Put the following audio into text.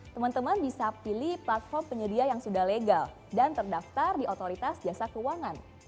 teman teman bisa pilih platform penyedia yang sudah legal dan terdaftar di otoritas jasa keuangan